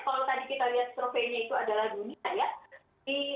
kalau tadi kita lihat trofeinya itu adalah dunia